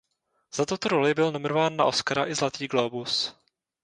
Za tuto roli byl nominován na Oscara i Zlatý Globus.